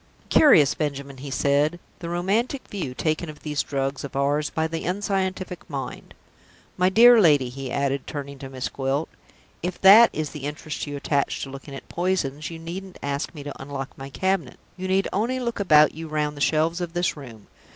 "Curious, Benjamin," he said, "the romantic view taken of these drugs of ours by the unscientific mind! My dear lady," he added, turning to Miss Gwilt, "if that is the interest you attach to looking at poisons, you needn't ask me to unlock my cabinet you need only look about you round the shelves of this room.